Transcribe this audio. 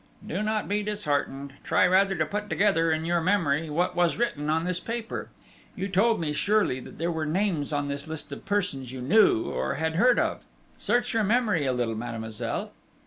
"Do not be disheartened. Try rather to put together in your memory what was written in this paper! You told me, surely, that there were names in this list of persons you knew, or had heard of? Search your memory a little, mademoiselle."